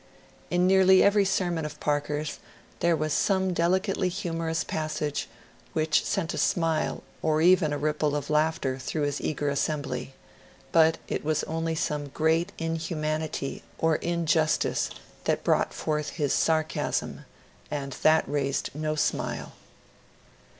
In nearly every sermon of Parker's there was some deli cately humourous passage which sent a smile or even a ripple of laughter through his eager assembly, but it was only some great inhumanity or injustice that brought forth his sar casm, and that raised no smile.